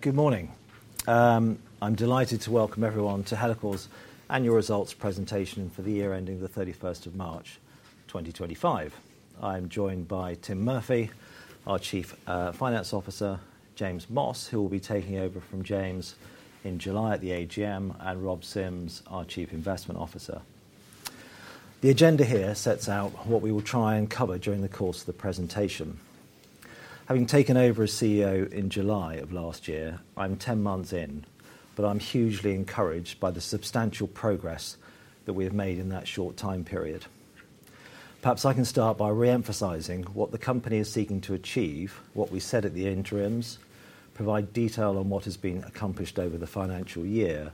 Good morning. I'm delighted to welcome everyone to Helical's annual results presentation for the year ending the 31st of March 2025. I'm joined by Tim Murphy, our Chief Finance Officer; James Moss, who will be taking over from Tim in July at the AGM; and Rob Sims, our Chief Investment Officer. The agenda here sets out what we will try and cover during the course of the presentation. Having taken over as CEO in July of last year, I'm 10 months in, but I'm hugely encouraged by the substantial progress that we have made in that short time period. Perhaps I can start by re-emphasizing what the company is seeking to achieve, what we said at the interims, provide detail on what has been accomplished over the financial year,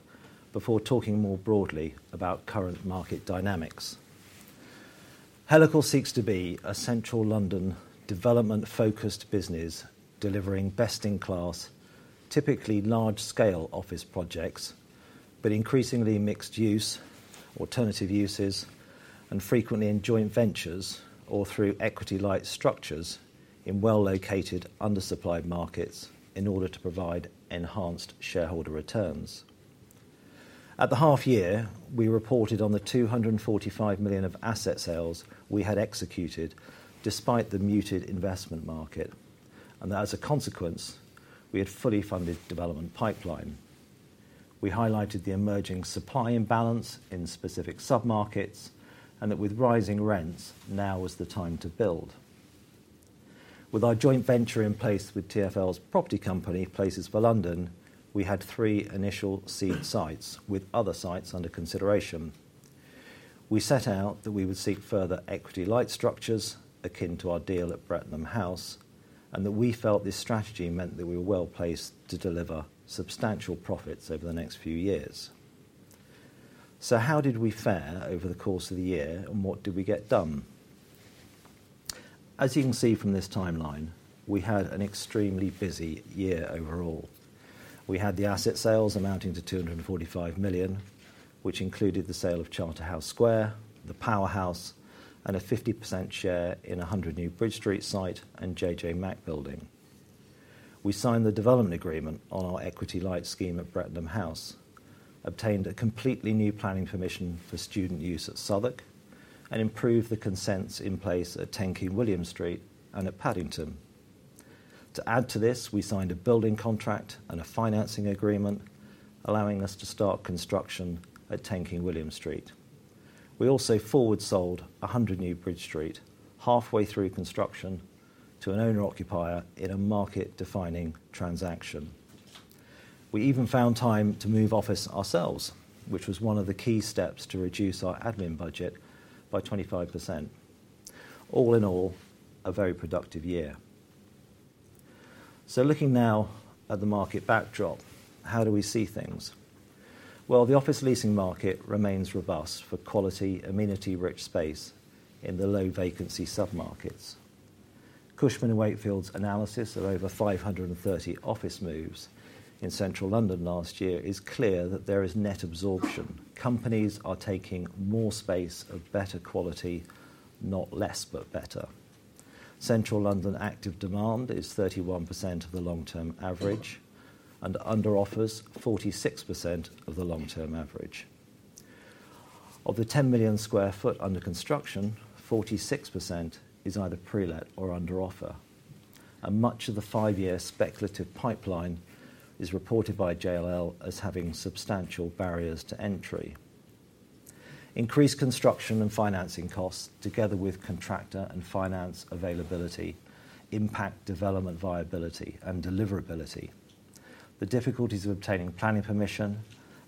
before talking more broadly about current market dynamics. Helical seeks to be a central London development-focused business delivering best-in-class, typically large-scale office projects, but increasingly mixed-use, alternative uses, and frequently in joint ventures or through equity-light structures in well-located undersupplied markets in order to provide enhanced shareholder returns. At the half-year, we reported on the 245 million of asset sales we had executed despite the muted investment market, and that as a consequence, we had a fully funded development pipeline. We highlighted the emerging supply imbalance in specific sub-markets and that with rising rents, now was the time to build. With our joint venture in place with TfL's property company, Places for London, we had three initial seed sites with other sites under consideration. We set out that we would seek further equity-light structures akin to our deal at Brettonham House, and that we felt this strategy meant that we were well placed to deliver substantial profits over the next few years. How did we fare over the course of the year, and what did we get done? As you can see from this timeline, we had an extremely busy year overall. We had the asset sales amounting to 245 million, which included the sale of Charterhouse Square, the Powerhouse, and a 50% share in a 100 New Bridge Street site and JJ Mack Building. We signed the development agreement on our equity-light scheme at Brettonham House, obtained a completely new planning permission for student use at Southwark, and improved the consents in place at 10 King William Street and at Paddington. To add to this, we signed a building contract and a financing agreement allowing us to start construction at 10 King William Street. We also forward-sold 100 New Bridge Street halfway through construction to an owner-occupier in a market-defining transaction. We even found time to move office ourselves, which was one of the key steps to reduce our admin budget by 25%. All in all, a very productive year. Looking now at the market backdrop, how do we see things? The office leasing market remains robust for quality, amenity-rich space in the low-vacancy sub-markets. Cushman & Wakefield's analysis of over 530 office moves in central London last year is clear that there is net absorption. Companies are taking more space of better quality, not less but better. Central London active demand is 31% of the long-term average, and under-offers 46% of the long-term average. Of the 10 million sq ft under construction, 46% is either pre-let or under offer, and much of the five-year speculative pipeline is reported by JLL as having substantial barriers to entry. Increased construction and financing costs, together with contractor and finance availability, impact development viability and deliverability. The difficulties of obtaining planning permission,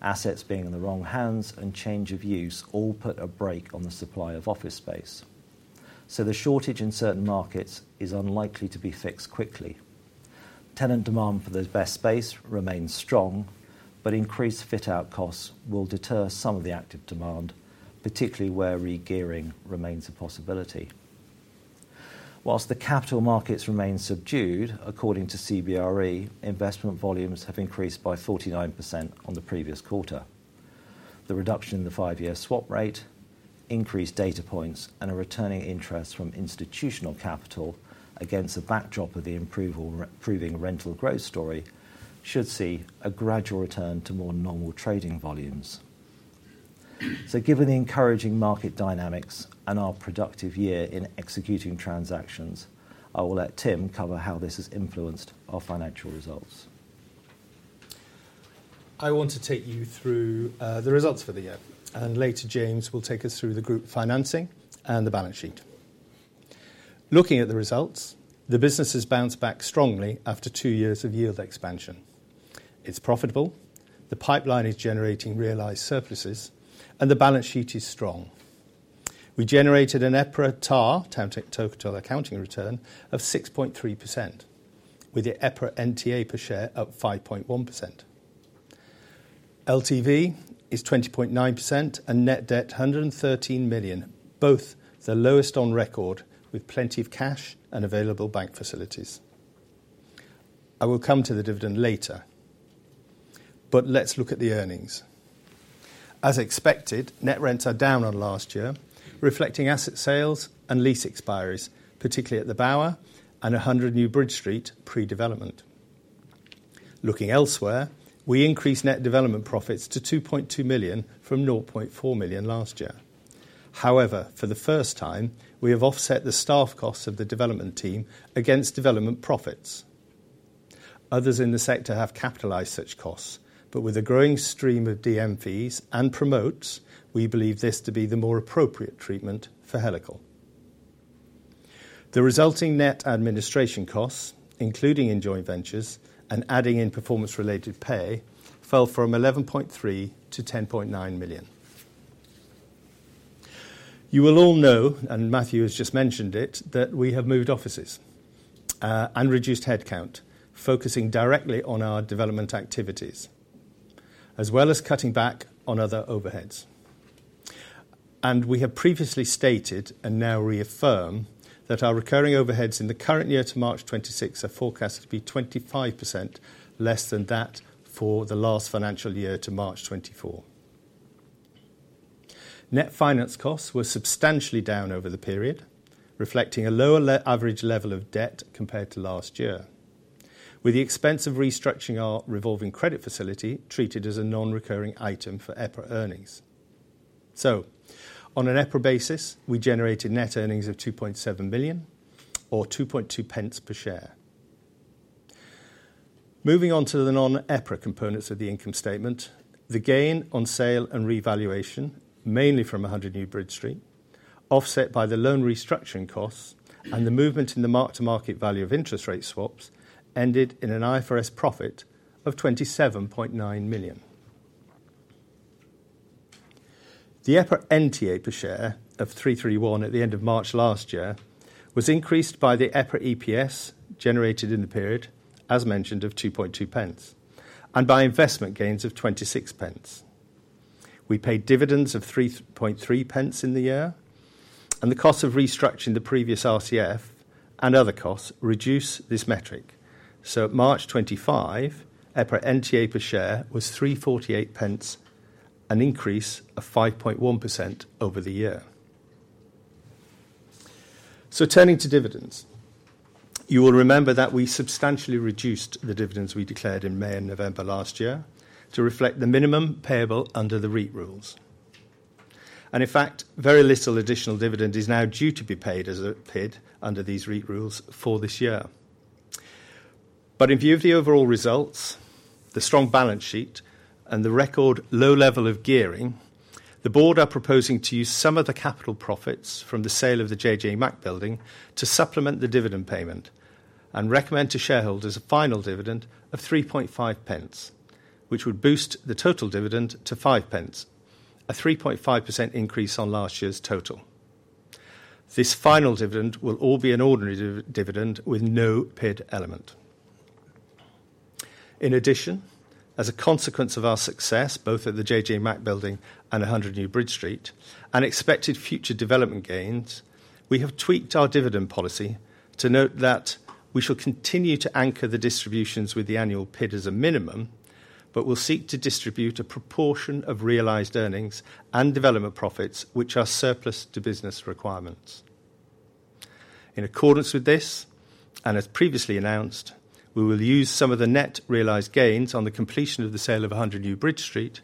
assets being in the wrong hands, and change of use all put a brake on the supply of office space. The shortage in certain markets is unlikely to be fixed quickly. Tenant demand for the best space remains strong, but increased fit-out costs will deter some of the active demand, particularly where re-gearing remains a possibility. Whilst the capital markets remain subdued, according to CBRE, investment volumes have increased by 49% on the previous quarter. The reduction in the five-year swap rate, increased data points, and a returning interest from institutional capital against the backdrop of the improving rental growth story should see a gradual return to more normal trading volumes. Given the encouraging market dynamics and our productive year in executing transactions, I will let Tim cover how this has influenced our financial results. I want to take you through the results for the year, and later James will take us through the group financing and the balance sheet. Looking at the results, the business has bounced back strongly after two years of yield expansion. It's profitable, the pipeline is generating realized surpluses, and the balance sheet is strong. We generated an EPRA TAR, EPRA Total Accounting Return, of 6.3%, with the EPRA NTA per share of 348 pence. LTV is 20.9% and net debt 113 million, both the lowest on record with plenty of cash and available bank facilities. I will come to the dividend later, but let's look at the earnings. As expected, net rents are down on last year, reflecting asset sales and lease expiries, particularly at the Bower and 100 New Bridge Street pre-development. Looking elsewhere, we increased net development profits to 2.2 million from 0.4 million last year. However, for the first time, we have offset the staff costs of the development team against development profits. Others in the sector have capitalized such costs, but with a growing stream of DM fees and promotes, we believe this to be the more appropriate treatment for Helical. The resulting net administration costs, including in joint ventures and adding in performance-related pay, fell from 11.3 million to 10.9 million. You will all know, and Matthew has just mentioned it, that we have moved offices and reduced headcount, focusing directly on our development activities, as well as cutting back on other overheads. We have previously stated and now reaffirm that our recurring overheads in the current year to March 2026 are forecast to be 25% less than that for the last financial year to March 2024. Net finance costs were substantially down over the period, reflecting a lower average level of debt compared to last year, with the expense of restructuring our revolving credit facility treated as a non-recurring item for EPRA earnings. On an EPRA basis, we generated net earnings of 2.7 million or 2.2 pence per share. Moving on to the non-EPRA components of the income statement, the gain on sale and revaluation, mainly from 100 New Bridge Street, offset by the loan restructuring costs and the movement in the mark-to-market value of interest rate swaps, ended in an IFRS profit of 27.9 million. The EPRA NTA per share of 331 at the end of March last year was increased by the EPRA EPS generated in the period, as mentioned, of 2.2 pence, and by investment gains of 26 pence. We paid dividends of 3.3 pence in the year, and the cost of restructuring the previous RCF and other costs reduce this metric. At March 2025, EPRA NTA per share was 348 pence, an increase of 5.1% over the year. Turning to dividends, you will remember that we substantially reduced the dividends we declared in May and November last year to reflect the minimum payable under the REIT rules. In fact, very little additional dividend is now due to be paid as a PID under these REIT rules for this year. In view of the overall results, the strong balance sheet, and the record low level of gearing, the board are proposing to use some of the capital profits from the sale of the JJ Mack Building to supplement the dividend payment and recommend to shareholders a final dividend of 0.035, which would boost the total dividend to 0.05, a 3.5% increase on last year's total. This final dividend will all be an ordinary dividend with no PID element. In addition, as a consequence of our success both at the JJ Mack Building and 100 New Bridge Street and expected future development gains, we have tweaked our dividend policy to note that we shall continue to anchor the distributions with the annual PID as a minimum, but will seek to distribute a proportion of realized earnings and development profits which are surplus to business requirements. In accordance with this, and as previously announced, we will use some of the net realized gains on the completion of the sale of 100 New Bridge Street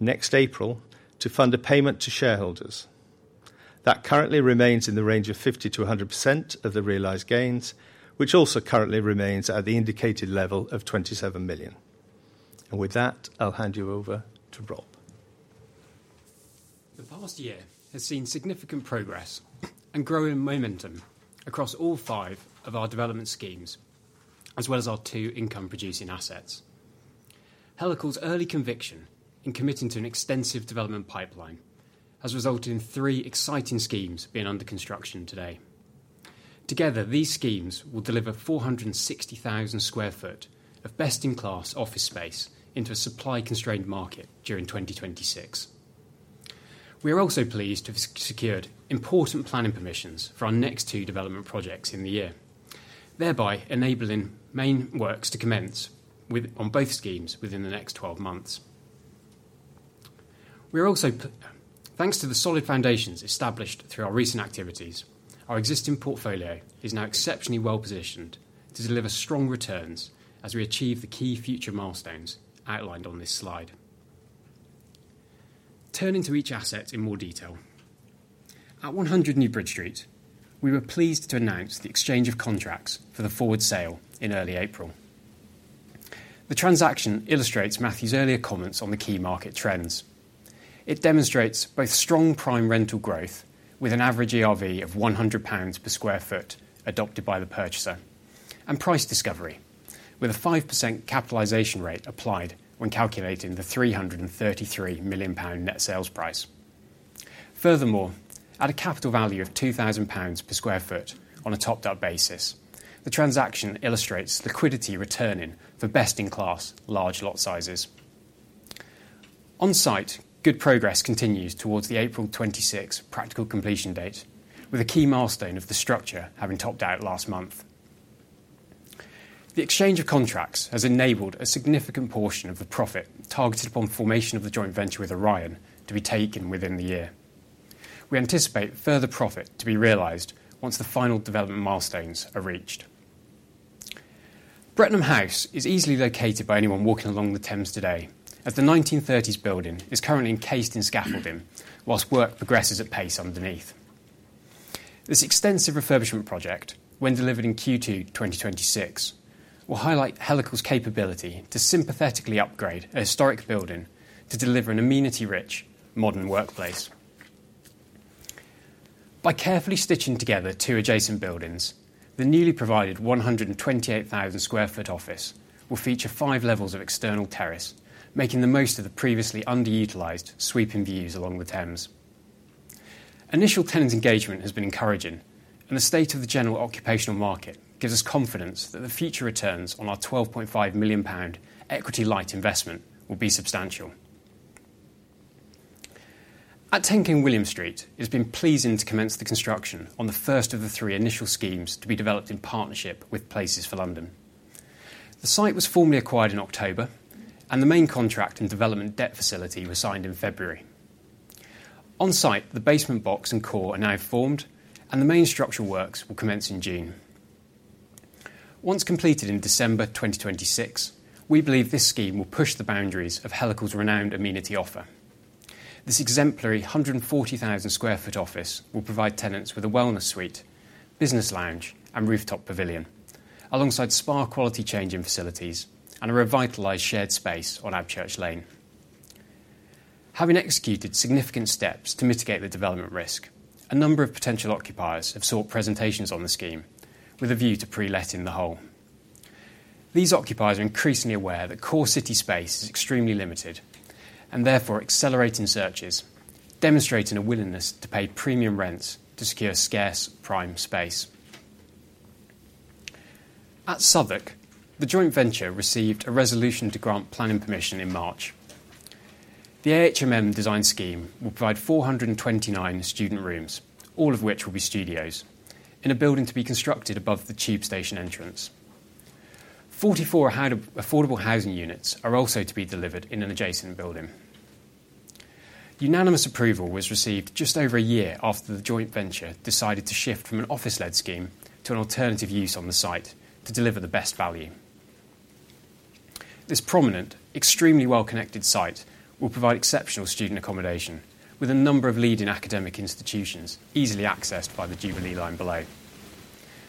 next April to fund a payment to shareholders. That currently remains in the range of 50%-100% of the realized gains, which also currently remains at the indicated level of 27 million. With that, I'll hand you over to Rob. The past year has seen significant progress and growing momentum across all five of our development schemes, as well as our two income-producing assets. Helical's early conviction in committing to an extensive development pipeline has resulted in three exciting schemes being under construction today. Together, these schemes will deliver 460,000 sq ft of best-in-class office space into a supply-constrained market during 2026. We are also pleased to have secured important planning permissions for our next two development projects in the year, thereby enabling main works to commence on both schemes within the next 12 months. Thanks to the solid foundations established through our recent activities, our existing portfolio is now exceptionally well positioned to deliver strong returns as we achieve the key future milestones outlined on this slide. Turning to each asset in more detail, at 100 New Bridge Street, we were pleased to announce the exchange of contracts for the forward sale in early April. The transaction illustrates Matthew's earlier comments on the key market trends. It demonstrates both strong prime rental growth with an average ERV of 100 pounds per sq ft adopted by the purchaser, and price discovery with a 5% capitalization rate applied when calculating the 333 million pound net sales price. Furthermore, at a capital value of 2,000 pounds per sq ft on a topped-up basis, the transaction illustrates liquidity returning for best-in-class large lot sizes. On site, good progress continues towards the April 26 practical completion date, with a key milestone of the structure having topped out last month. The exchange of contracts has enabled a significant portion of the profit targeted upon the formation of the joint venture with Orion to be taken within the year. We anticipate further profit to be realized once the final development milestones are reached. Brettonham House is easily located by anyone walking along the Thames today, as the 1930s building is currently encased in scaffolding whilst work progresses at pace underneath. This extensive refurbishment project, when delivered in Q2 2026, will highlight Helical's capability to sympathetically upgrade a historic building to deliver an amenity-rich, modern workplace. By carefully stitching together two adjacent buildings, the newly provided 128,000 sq ft office will feature five levels of external terrace, making the most of the previously underutilized sweeping views along the Thames. Initial tenant engagement has been encouraging, and the state of the general occupational market gives us confidence that the future returns on our 12.5 million pound equity-light investment will be substantial. At 10 King William Street, it has been pleasing to commence the construction on the first of the three initial schemes to be developed in partnership with Places for London. The site was formally acquired in October, and the main contract and development debt facility was signed in February. On site, the basement box and core are now formed, and the main structural works will commence in June. Once completed in December 2026, we believe this scheme will push the boundaries of Helical's renowned amenity offer. This exemplary 140,000 sq ft office will provide tenants with a wellness suite, business lounge, and rooftop pavilion, alongside high-quality changing facilities and a revitalized shared space on Abchurch Lane. Having executed significant steps to mitigate the development risk, a number of potential occupiers have sought presentations on the scheme with a view to pre-let in the whole. These occupiers are increasingly aware that core city space is extremely limited and therefore accelerating searches, demonstrating a willingness to pay premium rents to secure scarce prime space. At Southwark, the joint venture received a resolution to grant planning permission in March. The AHMM design scheme will provide 429 student rooms, all of which will be studios, in a building to be constructed above the Tube Station entrance. Forty-four affordable housing units are also to be delivered in an adjacent building. Unanimous approval was received just over a year after the joint venture decided to shift from an office-led scheme to an alternative use on the site to deliver the best value. This prominent, extremely well-connected site will provide exceptional student accommodation with a number of leading academic institutions easily accessed by the Jubilee line below.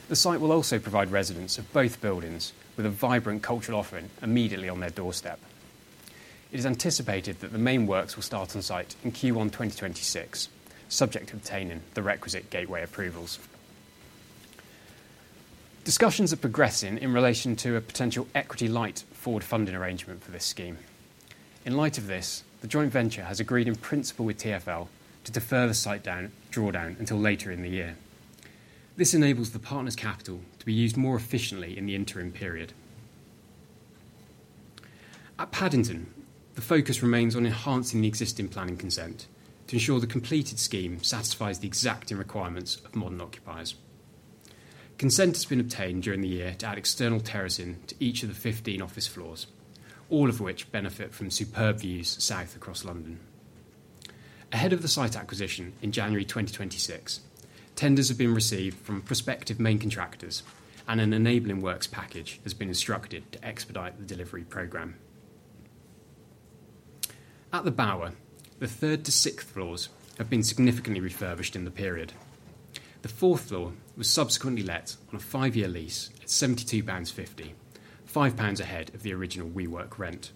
The site will also provide residents of both buildings with a vibrant cultural offering immediately on their doorstep. It is anticipated that the main works will start on site in Q1 2026, subject to obtaining the requisite gateway approvals. Discussions are progressing in relation to a potential equity-light forward funding arrangement for this scheme. In light of this, the joint venture has agreed in principle with TfL to defer the site drawdown until later in the year. This enables the partner's capital to be used more efficiently in the interim period. At Paddington, the focus remains on enhancing the existing planning consent to ensure the completed scheme satisfies the exacting requirements of modern occupiers. Consent has been obtained during the year to add external terraces to each of the 15 office floors, all of which benefit from superb views south across London. Ahead of the site acquisition in January 2026, tenders have been received from prospective main contractors, and an enabling works package has been instructed to expedite the delivery program. At the Bower, the third to sixth floors have been significantly refurbished in the period. The fourth floor was subsequently let on a five-year lease at GBP 72.50, 5 pounds ahead of the original WeWork rent.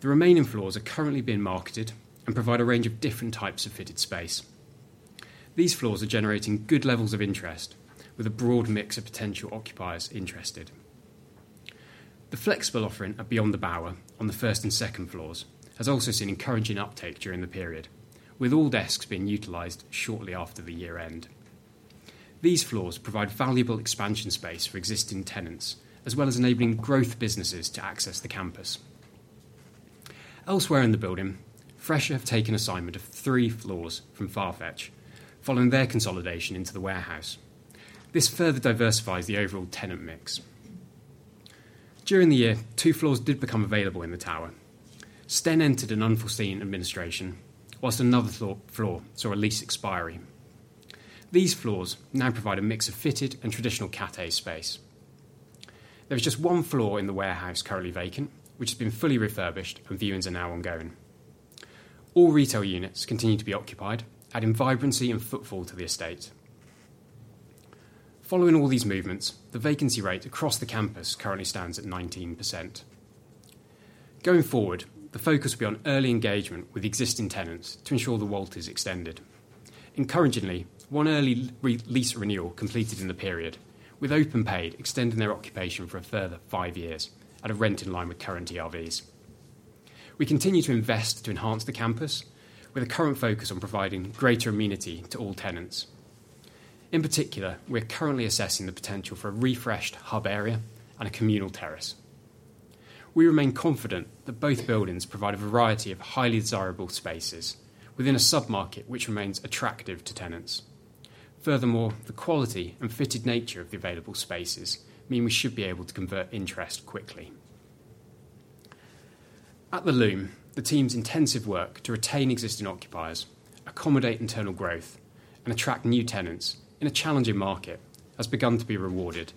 The remaining floors are currently being marketed and provide a range of different types of fitted space. These floors are generating good levels of interest with a broad mix of potential occupiers interested. The flexible offering beyond the Bower on the first and second floors has also seen encouraging uptake during the period, with all desks being utilized shortly after the year-end. These floors provide valuable expansion space for existing tenants, as well as enabling growth businesses to access the campus. Elsewhere in the building, Fresher have taken assignment of three floors from Farfetch following their consolidation into the warehouse. This further diversifies the overall tenant mix. During the year, two floors did become available in the tower. Sten entered an unforeseen administration, whilst another floor saw a lease expiry. These floors now provide a mix of fitted and traditional café space. There is just one floor in the warehouse currently vacant, which has been fully refurbished, and viewings are now ongoing. All retail units continue to be occupied, adding vibrancy and footfall to the estate. Following all these movements, the vacancy rate across the campus currently stands at 19%. Going forward, the focus will be on early engagement with existing tenants to ensure the Walter's extended. Encouragingly, one early lease renewal completed in the period, with OpenPaid extending their occupation for a further five years at a rent in line with current ERVs. We continue to invest to enhance the campus, with a current focus on providing greater amenity to all tenants. In particular, we are currently assessing the potential for a refreshed hub area and a communal terrace. We remain confident that both buildings provide a variety of highly desirable spaces within a sub-market which remains attractive to tenants. Furthermore, the quality and fitted nature of the available spaces mean we should be able to convert interest quickly. At the Loom, the team's intensive work to retain existing occupiers, accommodate internal growth, and attract new tenants in a challenging market has begun to be rewarded,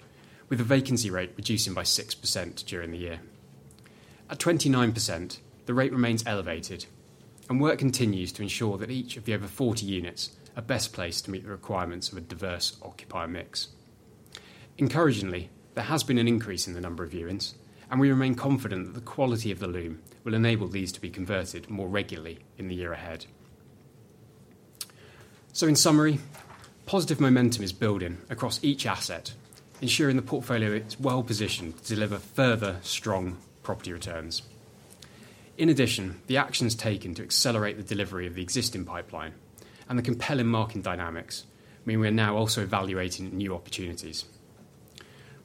with the vacancy rate reducing by 6% during the year. At 29%, the rate remains elevated, and work continues to ensure that each of the over 40 units are best placed to meet the requirements of a diverse occupier mix. Encouragingly, there has been an increase in the number of viewings, and we remain confident that the quality of the Loom will enable these to be converted more regularly in the year ahead. In summary, positive momentum is building across each asset, ensuring the portfolio is well positioned to deliver further strong property returns. In addition, the actions taken to accelerate the delivery of the existing pipeline and the compelling market dynamics mean we are now also evaluating new opportunities.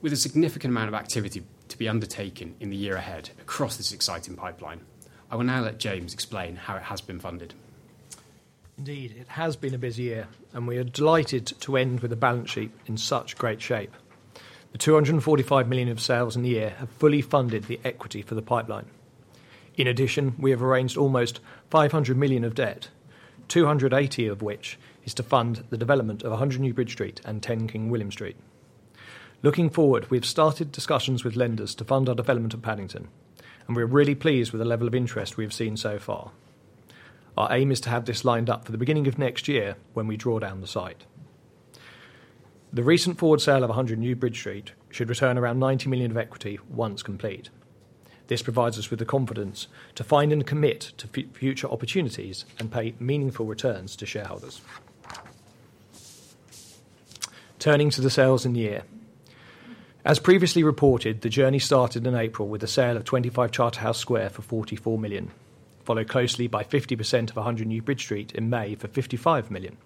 With a significant amount of activity to be undertaken in the year ahead across this exciting pipeline, I will now let James explain how it has been funded. Indeed, it has been a busy year, and we are delighted to end with a balance sheet in such great shape. The 245 million of sales in the year have fully funded the equity for the pipeline. In addition, we have arranged almost 500 million of debt, 280 million of which is to fund the development of 100 New Bridge Street and 10 King William Street. Looking forward, we have started discussions with lenders to fund our development at Paddington, and we are really pleased with the level of interest we have seen so far. Our aim is to have this lined up for the beginning of next year when we draw down the site. The recent forward sale of 100 New Bridge Street should return around 90 million of equity once complete. This provides us with the confidence to find and commit to future opportunities and pay meaningful returns to shareholders. Turning to the sales in the year, as previously reported, the journey started in April with a sale of 25 Charterhouse Square for 44 million, followed closely by 50% of 100 New Bridge Street in May for 55 million.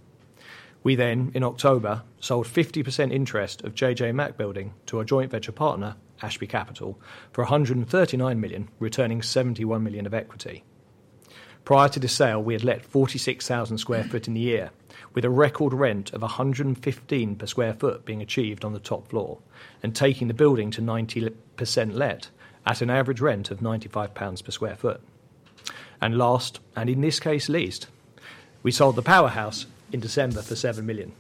We then, in October, sold 50% interest of JJ Mack Building to our joint venture partner, Ashby Capital, for 139 million, returning 71 million of equity. Prior to this sale, we had let 46,000 sq ft in the year, with a record rent of 115 per sq ft being achieved on the top floor and taking the building to 90% let at an average rent of 95 pounds per sq ft. Last, and in this case least, we sold the Powerhouse in December for 7 million.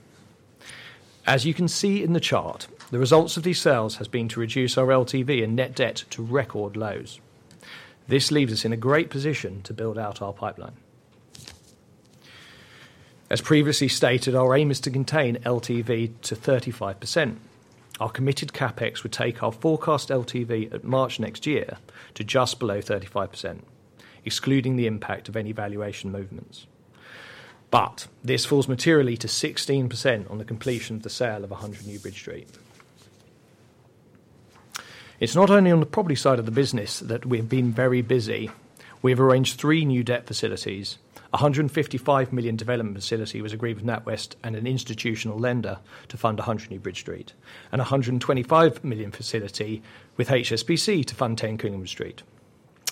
As you can see in the chart, the results of these sales have been to reduce our LTV and net debt to record lows. This leaves us in a great position to build out our pipeline. As previously stated, our aim is to contain LTV to 35%. Our committed CapEx would take our forecast LTV at March next year to just below 35%, excluding the impact of any valuation movements. This falls materially to 16% on the completion of the sale of 100 New Bridge Street. It is not only on the property side of the business that we have been very busy. We have arranged three new debt facilities, a 155 million development facility agreement with NatWest and an institutional lender to fund 100 New Bridge Street, and a 125 million facility with HSBC to fund 10 King William Street.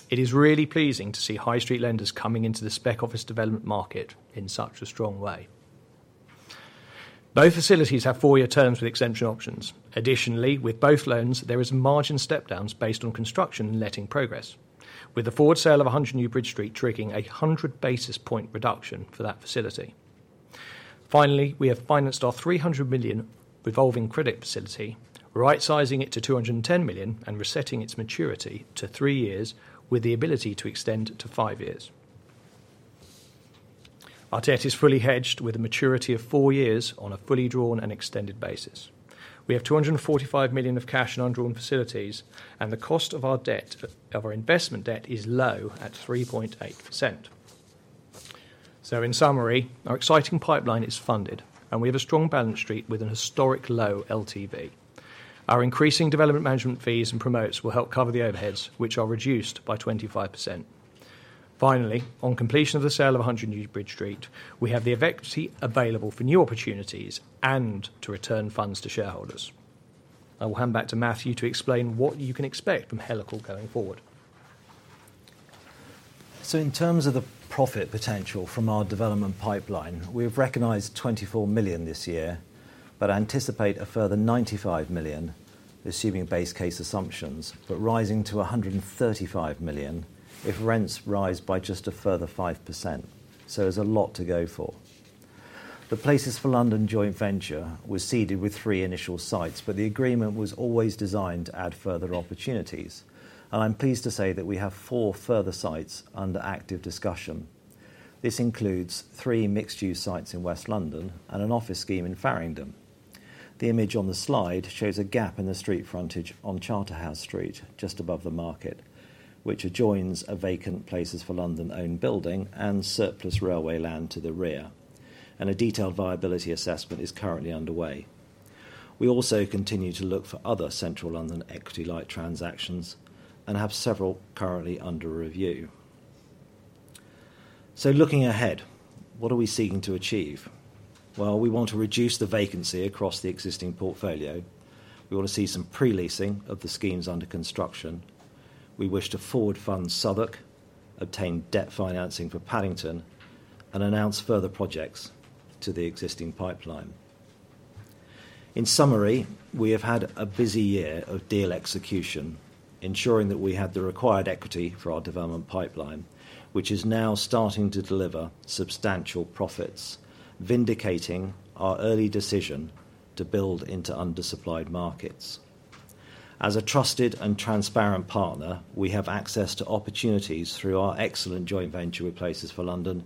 It is really pleasing to see high street lenders coming into the spec office development market in such a strong way. Both facilities have four-year terms with extension options. Additionally, with both loans, there are margin step-downs based on construction and letting progress, with the forward sale of 100 New Bridge Street triggering a 100 basis point reduction for that facility. Finally, we have financed our 300 million revolving credit facility, right-sizing it to 210 million and resetting its maturity to three years with the ability to extend to five years. Our debt is fully hedged with a maturity of four years on a fully drawn and extended basis. We have 245 million of cash and undrawn facilities, and the cost of our investment debt is low at 3.8%. In summary, our exciting pipeline is funded, and we have a strong balance sheet with a historic low LTV. Our increasing development management fees and promoters will help cover the overheads, which are reduced by 25%. Finally, on completion of the sale of 100 New Bridge Street, we have the efficacy available for new opportunities and to return funds to shareholders. I will hand back to Matthew to explain what you can expect from Helical going forward. In terms of the profit potential from our development pipeline, we have recognized 24 million this year but anticipate a further 95 million, assuming base case assumptions, rising to 135 million if rents rise by just a further 5%. There is a lot to go for. The Places for London joint venture was seeded with three initial sites, but the agreement was always designed to add further opportunities, and I am pleased to say that we have four further sites under active discussion. This includes three mixed-use sites in West London and an office scheme in Farringdon. The image on the slide shows a gap in the street frontage on Charterhouse Street just above the market, which adjoins a vacant Places for London-owned building and surplus railway land to the rear, and a detailed viability assessment is currently underway. We also continue to look for other central London equity-light transactions and have several currently under review. Looking ahead, what are we seeking to achieve? We want to reduce the vacancy across the existing portfolio. We want to see some pre-leasing of the schemes under construction. We wish to forward fund Southwark, obtain debt financing for Paddington, and announce further projects to the existing pipeline. In summary, we have had a busy year of deal execution, ensuring that we had the required equity for our development pipeline, which is now starting to deliver substantial profits, vindicating our early decision to build into undersupplied markets. As a trusted and transparent partner, we have access to opportunities through our excellent joint venture with Places for London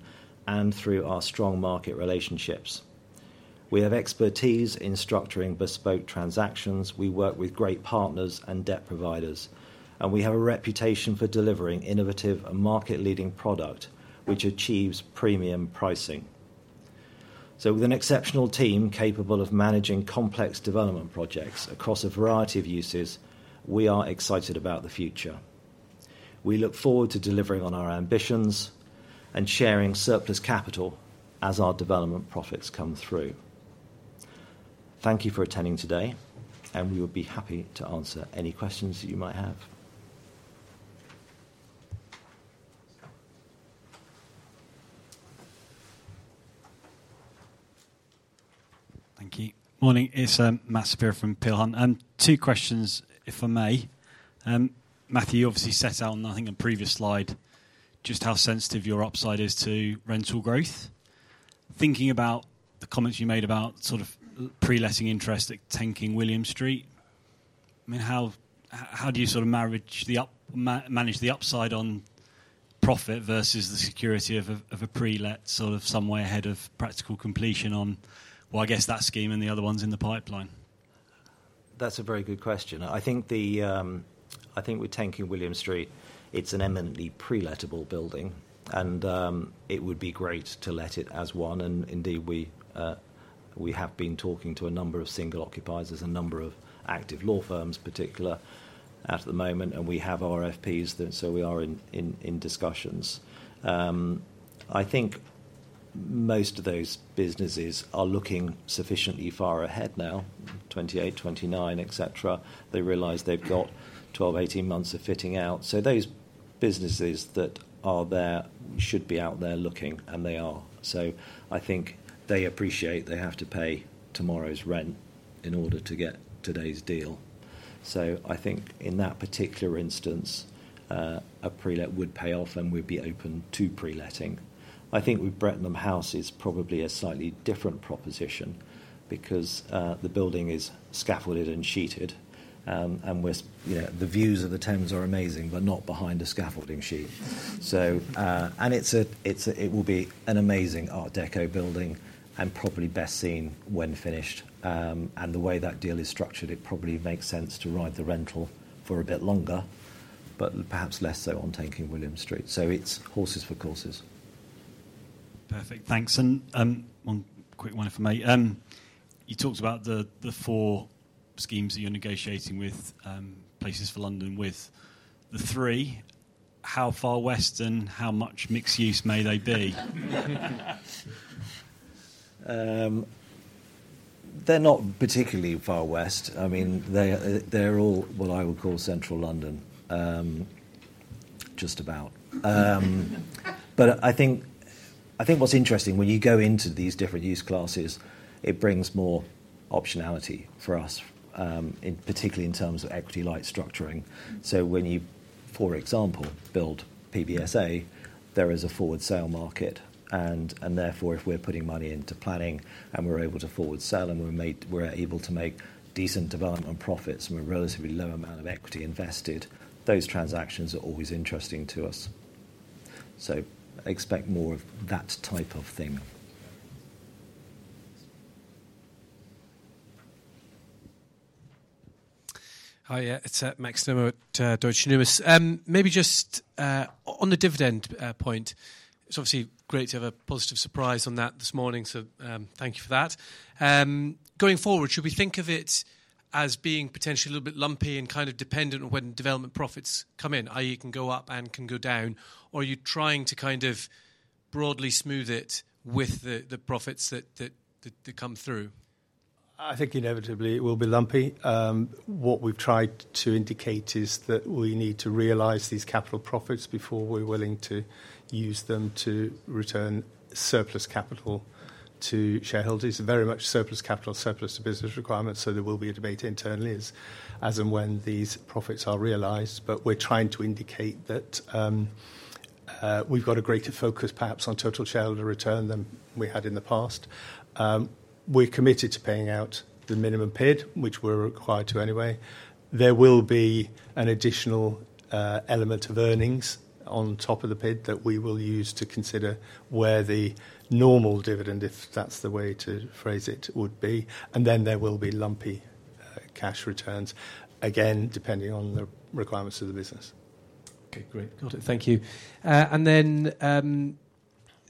and through our strong market relationships. We have expertise in structuring bespoke transactions. We work with great partners and debt providers, and we have a reputation for delivering innovative and market-leading product which achieves premium pricing. With an exceptional team capable of managing complex development projects across a variety of uses, we are excited about the future. We look forward to delivering on our ambitions and sharing surplus capital as our development profits come through. Thank you for attending today, and we will be happy to answer any questions that you might have. Thank you. Good morning. It's Matt Spier from Pilhan. Two questions, if I may. Matthew, you obviously set out on, I think, a previous slide just how sensitive your upside is to rental growth. Thinking about the comments you made about sort of pre-letting interest at 10 King William Street, I mean, how do you sort of manage the upside on profit versus the security of a pre-let sort of somewhere ahead of practical completion on, well, I guess that scheme and the other ones in the pipeline? That's a very good question. I think with 10 King William Street, it's an eminently pre-lettable building, and it would be great to let it as one. Indeed, we have been talking to a number of single occupiers, a number of active law firms in particular at the moment, and we have RFPs, so we are in discussions. I think most of those businesses are looking sufficiently far ahead now, 2028, 2029, etc. They realize they've got 12-18 months of fitting out. Those businesses that are there should be out there looking, and they are. I think they appreciate they have to pay tomorrow's rent in order to get today's deal. I think in that particular instance, a pre-let would pay off, and we'd be open to pre-letting. I think with Brettonham House it is probably a slightly different proposition because the building is scaffolded and sheeted, and the views of the Thames are amazing, but not behind a scaffolding sheet. It will be an amazing Art Deco building and probably best seen when finished. The way that deal is structured, it probably makes sense to ride the rental for a bit longer, but perhaps less so on 10 King William Street. It is horses for courses. Perfect. Thanks. One quick one if I may. You talked about the four schemes that you're negotiating with Places for London. The three, how far west and how much mixed use may they be? They're not particularly far west. I mean, they're all, well, I would call central London, just about. I think what's interesting, when you go into these different use classes, it brings more optionality for us, particularly in terms of equity-light structuring. For example, when you build PBSA, there is a forward sale market, and therefore, if we're putting money into planning and we're able to forward sell and we're able to make decent development profits and we're a relatively low amount of equity invested, those transactions are always interesting to us. Expect more of that type of thing. Hi, it's Max Nimmo at Deutsche Numis. Maybe just on the dividend point, it's obviously great to have a positive surprise on that this morning, so thank you for that. Going forward, should we think of it as being potentially a little bit lumpy and kind of dependent on when development profits come in, i.e., it can go up and can go down, or are you trying to kind of broadly smooth it with the profits that come through? I think inevitably it will be lumpy. What we've tried to indicate is that we need to realize these capital profits before we're willing to use them to return surplus capital to shareholders. Very much surplus capital, surplus to business requirements, so there will be a debate internally as and when these profits are realized, but we're trying to indicate that we've got a greater focus perhaps on total shareholder return than we had in the past. We're committed to paying out the minimum PID, which we're required to anyway. There will be an additional element of earnings on top of the PID that we will use to consider where the normal dividend, if that's the way to phrase it, would be, and then there will be lumpy cash returns, again, depending on the requirements of the business. Okay, great. Got it. Thank you.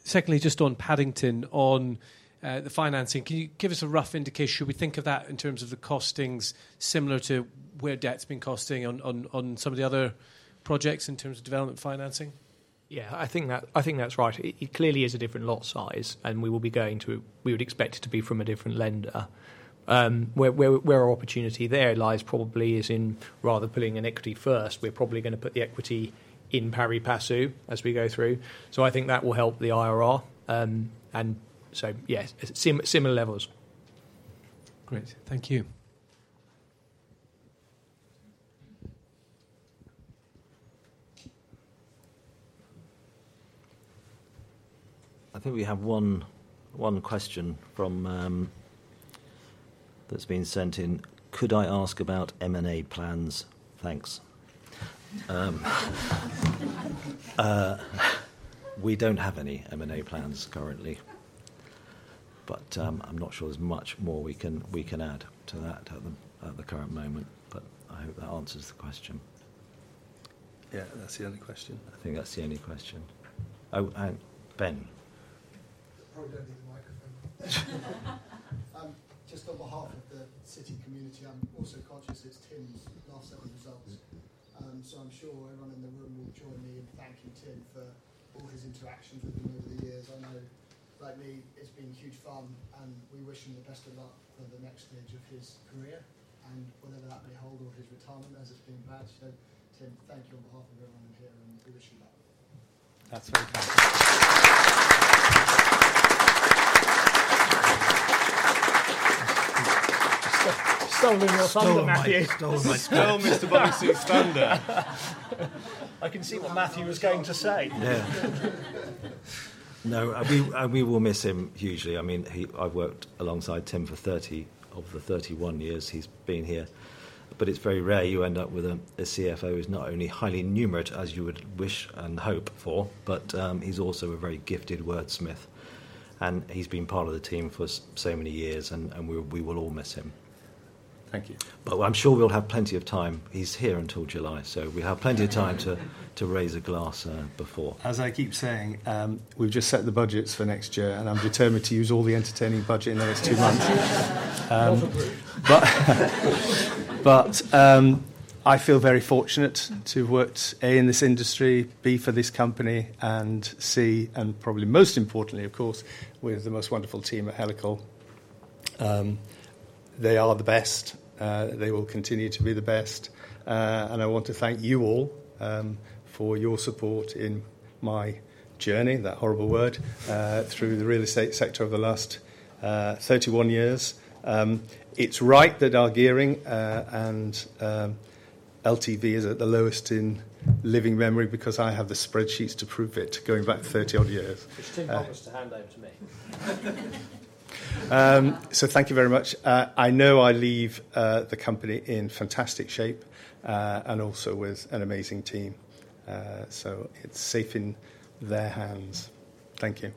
Secondly, just on Paddington, on the financing, can you give us a rough indication? Should we think of that in terms of the costings similar to where debt's been costing on some of the other projects in terms of development financing? Yeah, I think that's right. It clearly is a different lot size, and we will be going to, we would expect it to be from a different lender. Where our opportunity there lies probably is in rather pulling in equity first. We're probably going to put the equity in pari passu as we go through. I think that will help the IRR, and yeah, similar levels. Great. Thank you. I think we have one question that's been sent in. Could I ask about M&A plans? Thanks. We don't have any M&A plans currently, but I'm not sure there's much more we can add to that at the current moment, but I hope that answers the question. Yeah, that's the only question. I think that's the only question. Oh, and Ben. I probably do not need the microphone. Just on behalf of the city community, I am also conscious it is Tim's last-seven results, so I am sure everyone in the room will join me in thanking Tim for all his interactions with him over the years. I know, like me, it has been huge fun, and we wish him the best of luck for the next stage of his career and whatever that may hold or his retirement as it is being planned. Tim, thank you on behalf of everyone in here, and we wish you luck. That's very kind. Stole my spanner, Matthew. Stole my spanner. Stole Mr. Rob Sims' spanner. I can see what Matthew was going to say. Yeah. No, we will miss him hugely. I mean, I've worked alongside Tim for 30 of the 31 years he's been here, but it's very rare you end up with a CFO who's not only highly numerate as you would wish and hope for, but he's also a very gifted wordsmith, and he's been part of the team for so many years, and we will all miss him. Thank you. I'm sure we'll have plenty of time. He's here until July, so we have plenty of time to raise a glass before. As I keep saying, we have just set the budgets for next year, and I am determined to use all the entertaining budget in the next two months. I feel very fortunate to have worked, A, in this industry, B, for this company, and C, and probably most importantly, of course, with the most wonderful team at Helical. They are the best. They will continue to be the best. I want to thank you all for your support in my journey, that horrible word, through the real estate sector of the last 31 years. It is right that our gearing and LTV is at the lowest in living memory because I have the spreadsheets to prove it going back 30-odd years. Which Tim promised to hand over to me. Thank you very much. I know I leave the company in fantastic shape and also with an amazing team, so it's safe in their hands. Thank you.